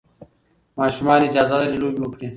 ماشومان اجازه لري لوبې وکړي.